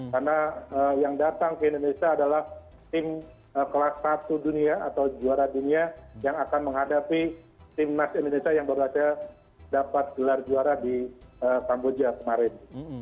karena yang datang ke indonesia adalah tim kelas satu dunia atau juara dunia yang akan menghadapi tim nasi indonesia yang baru saja dapat gelar juara di pampoja kemarin